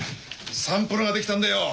サンプルが出来たんだよ。